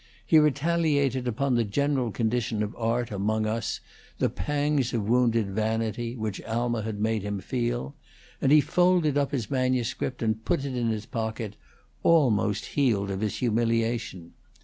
He retaliated upon the general condition of art among us the pangs of wounded vanity, which Alma had made him feel, and he folded up his manuscript and put it in his pocket, almost healed of his humiliation.